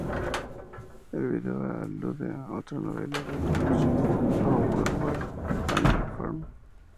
El video alude a otra novela de George Orwell, "Animal Farm".